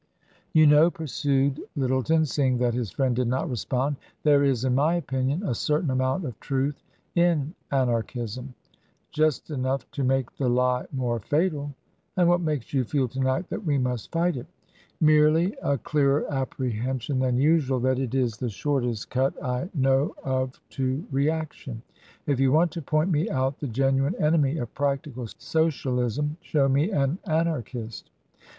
" You know," pursued Lyttleton, seeing that his friend did not respond, " there is, in my opinion, a cer tain amount of truth in Anarchism." " Just enough to make the lie more fatal." "And what makes you feel to night that we must fight it?" " Merely a clearer apprehension than usual that it is TRANSITION. 163 the shortest cut I know of to reaction. If you want to point me out the genuine enemy of practical Socialism show me an Anarchist."